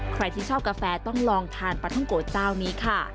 ใครที่ชอบกาแฟต้องลองทานปลาท่องโกะเจ้านี้ค่ะ